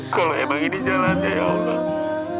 kalau emang ini jalannya ya allah